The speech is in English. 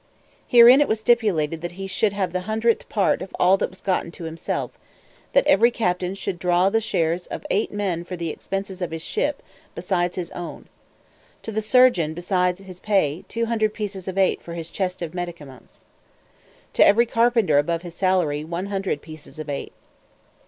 Herein it was stipulated, that he should have the hundredth part of all that was gotten to himself: that every captain should draw the shares of eight men for the expenses of his ship, besides his own. To the surgeon, beside his pay, two hundred pieces of eight for his chest of medicaments. To every carpenter, above his salary, one hundred pieces of eight.